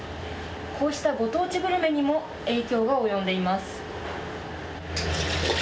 こうしたご当地グルメにも影響が及んでいます。